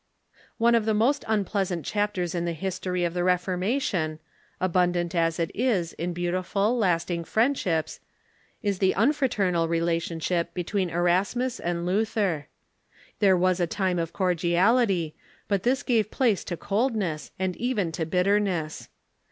One of the most unpleasant chapters in the history of the Reformation, abundant as it is in beautiful and lasting friend ships, is the unfraternal relationshij) between Erasmus and IN THE NETHERLANDS 261 Luther. There was a time of cordiality, but tliis gave place to coklness, and even to bitterness.